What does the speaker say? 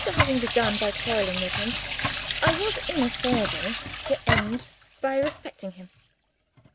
Having begun by quarreling with him, I was in a fair way to end by respecting him.